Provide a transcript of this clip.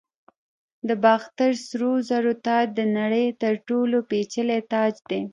د باختر سرو زرو تاج د نړۍ تر ټولو پیچلی تاج دی